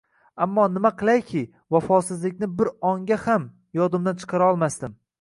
Ammo nima qilayki, vafosizlikni bir onga ham yodimdan chiqarolmasdim